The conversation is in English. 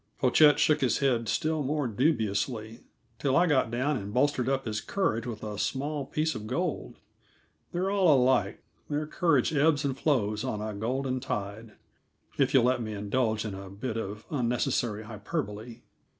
Pochette shook his head still more dubiously, till I got down and bolstered up his courage with a small piece of gold. They're all alike; their courage ebbs and flows on a golden tide, if you'll let me indulge in a bit of unnecessary hyperbole.